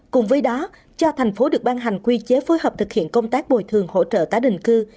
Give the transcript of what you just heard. cùng với đó cho thành phố được ban hành quy chế phối hợp thực hiện công tác bồi thường hỗ trợ tái định cư